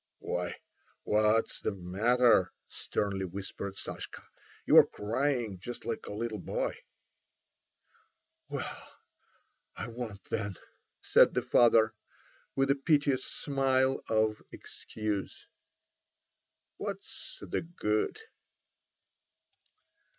"Why, what's the matter?" sternly whispered Sashka. "You're crying just like a little boy." "Well, I won't, then," said the father with, a piteous smile of excuse. "What's the good?"